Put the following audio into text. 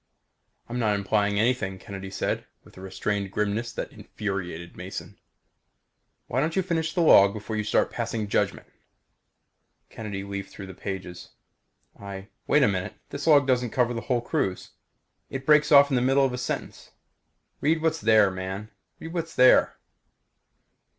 "I'm not implying anything," Kennedy said within a restrained grimness that infuriated Mason. "Why don't you finish the log before you start passing judgment?" Kennedy leafed through the pages. "I wait a minute! This log doesn't cover the whole cruise! It breaks off in the middle of a sentence!" "Read what's there, man! Read what's there."